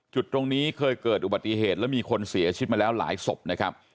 จุดตรงนี้เคยเกิดอุบัติเหตุแล้วมีคนเสียชีวิตมาแล้วหลายศพนะครับ